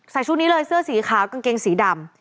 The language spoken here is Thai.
ชุดนี้เลยเสื้อสีขาวกางเกงสีดำ